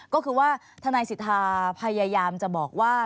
ก็คือว่าทนายสิทธาพยายามจะบอกว่า